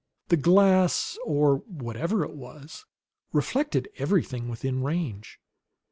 The glass, or whatever it was, reflected everything within range.